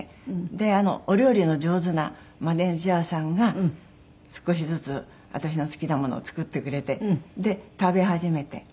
でお料理の上手なマネジャーさんが少しずつ私の好きなものを作ってくれてで食べ始めて。